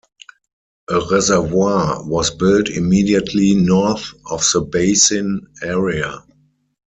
A reservoir was built immediately north of the basin area.